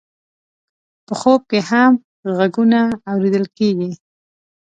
په خوب کې هم غږونه اورېدل کېږي.